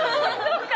そうか！